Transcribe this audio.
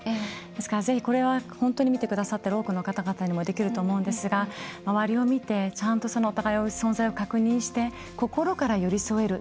ですから、ぜひこれは本当に見てくださってる多くの方々にもできると思うんですが周りを見てちゃんとお互いの存在を確認して心から寄り添える。